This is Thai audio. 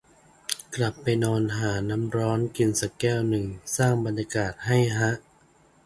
กลับไปนอน หาน้ำร้อนกินสักแก้วนึง สร้างบรรยากาศให้ฮะ